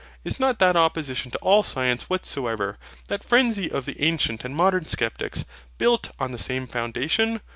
Is not that opposition to all science whatsoever, that frenzy of the ancient and modern Sceptics, built on the same foundation?